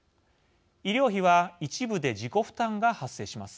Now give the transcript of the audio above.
医療費は一部で自己負担が発生します。